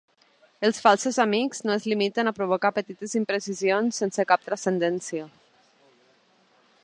Els falsos amics no es limiten a provocar petites imprecisions sense cap transcendència.